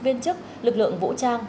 viên chức lực lượng vũ trang